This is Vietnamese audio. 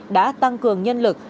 đã tăng cường nhân lực